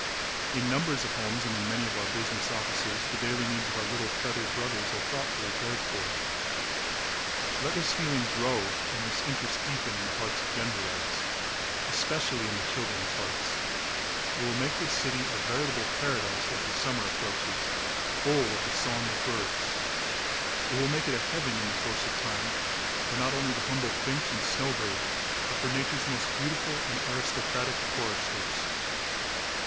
In numbers of homes and in many of our business offices the daily needs of our little feathered brothers are thoughtfully cared for. Let this feeling grow and this interest deepen in the hearts of Denverites, especially in the children's hearts. It will make this city a veritable paradise as the summer approaches, "full of the song of birds." It will make of it a heaven in the course of time, for not only the humble finch and snowbird, but for nature's most beautiful and aristocratic choristers.